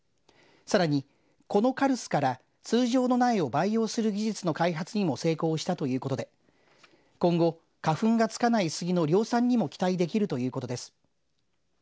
さらに、このカルスから通常の苗を培養する技術の開発にも成功したということで今後、花粉がつかないスギの量産にも期待できるということです。